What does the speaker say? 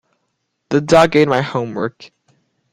The dog ate my homework.